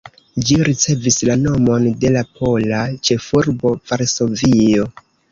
Ĝi ricevis la nomon de la pola ĉefurbo Varsovio.